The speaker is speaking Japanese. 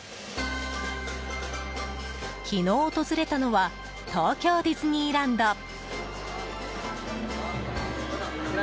昨日、訪れたのは東京ディズニーランド。